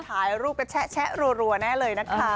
ถ่ายรูปกันแชะรัวแน่เลยนะคะ